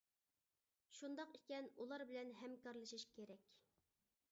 شۇنداق ئىكەن ئۇلار بىلەن ھەمكارلىشىش كېرەك.